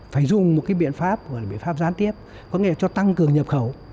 phải dùng một cái biện pháp gọi là biện pháp gián tiếp có nghĩa là cho tăng cường nhập khẩu